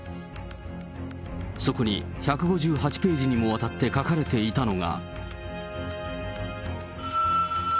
そこに１５８ページにもわたって書かれていたのが。